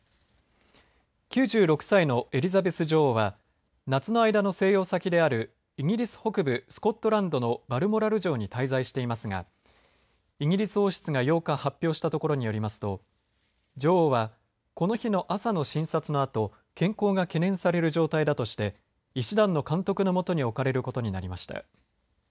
９６歳のエリザベス女王は夏の間の静養先であるイギリス北部スコットランドのバルモラル城に滞在していますがイギリス王室が８日発表したところによりますと女王はこの日の朝の診察のあと健康が懸念される状態だとして医師団の監督の下に置かれることになりました。